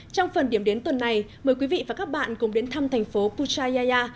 trong phần điểm đến tuần này mời quý vị và các bạn cùng đến thăm thành phố puchayya